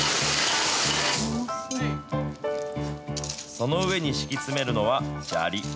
その上に敷き詰めるのは砂利。